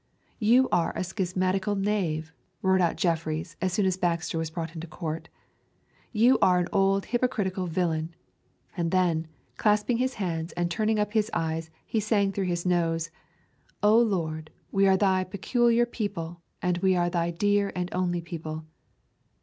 'You are a schismatical knave,' roared out Jeffreys, as soon as Baxter was brought into court. 'You are an old hypocritical villain.' And then, clasping his hands and turning up his eyes, he sang through his nose: 'O Lord, we are Thy peculiar people: we are Thy dear and only people.'